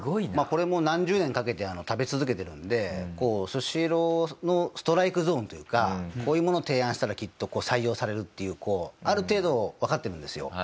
これも何十年かけて食べ続けてるんでスシローのストライクゾーンというかこういうものを提案したらきっと採用されるっていうある程度わかってるんですよ。